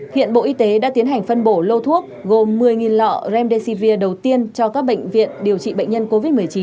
hiện bộ y tế đã tiến hành phân bổ lô thuốc gồm một mươi lọ remdesivir đầu tiên cho các bệnh viện điều trị bệnh nhân covid một mươi chín